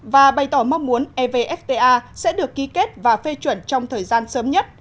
và bày tỏ mong muốn evfta sẽ được ký kết và phê chuẩn trong thời gian sớm nhất